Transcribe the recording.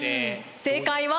正解は。